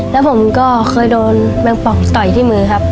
แล้วผมก็เคยโดนแมงปองต่อยที่มือครับ